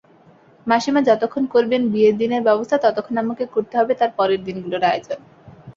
মাসিমা যতক্ষণ করবেন বিয়ের দিনের ব্যবস্থা ততক্ষণ আমাকে করতে হবে তার পরের দিনগুলোর আয়োজন।